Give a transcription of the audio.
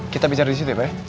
kita bicara di situ ya pak ya